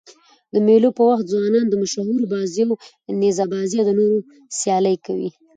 د مېلو پر وخت ځوانان د مشهورو بازيو: نیزه بازي او نورو سيالۍ کوي.